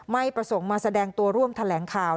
ไม่ประสงค์มาแสดงตัวร่วมแถลงข่าว